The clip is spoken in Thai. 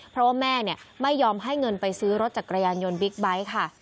เพราะว่าแม่ไม่ยอมให้เงินไปซื้อรถจักรยานยนต์บิ๊กไบท์ค่ะ